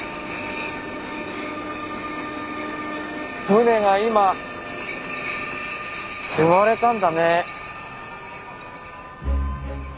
船が今生まれたんだね。